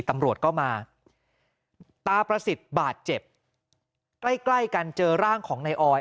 ตำรวจก็มาตาประสิทธิ์บาดเจ็บใกล้ใกล้กันเจอร่างของนายออย